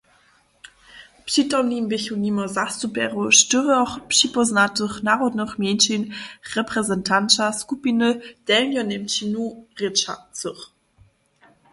Přitomni běchu nimo zastupjerjow štyrjoch připóznatych narodnych mjeńšin reprezentanća skupiny delnjoněmčinu rěčacych.